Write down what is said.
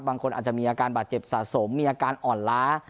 บางคนอาจจะมีอาการบาดเจ็บสะสมมีอาการอ่อนล้า